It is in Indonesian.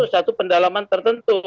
satu pendalaman tertentu